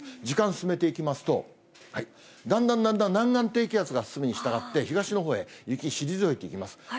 時間進めていきますと、だんだんだんだん南岸低気圧が進むにしたがって、東のほうへ、雪、退いていきます。